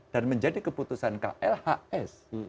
dan menjadi keputusan klhs